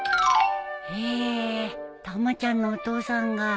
へーたまちゃんのお父さんが。